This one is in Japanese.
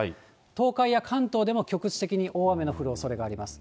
東海や関東でも局地的に大雨の降るおそれがあります。